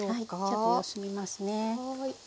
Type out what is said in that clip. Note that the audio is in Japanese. ちょっと様子見ますね。